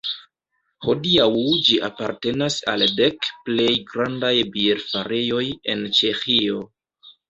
Hodiaŭ ĝi apartenas al dek plej grandaj bierfarejoj en Ĉeĥio.